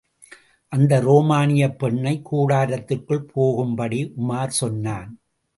அந்த ரோமானியப் பெண்ணை, கூடாரத்திற்குள் போகும்படி உமார் சொன்னான்.